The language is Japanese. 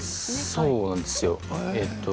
そうなんですよ。